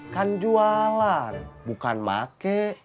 kan jualan bukan pake